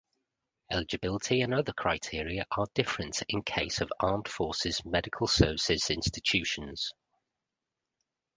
Eligibility and other criteria are different in case of Armed Forces Medical Services institutions.